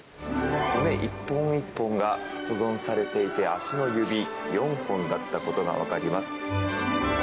骨１本１本が保存されていて足の指４本だったことがわかります。